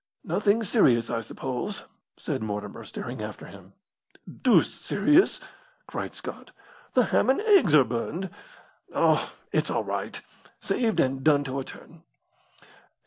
"Nothing serious, I suppose?" said Mortimer, staring after him. "Deuced serious," cried Scott. "The ham and eggs are burned! No it's all right saved, and done to a turn!